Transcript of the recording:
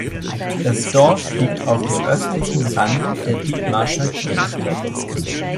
Das Dorf liegt auf dem östlichen Rand der Dithmarscher Geest.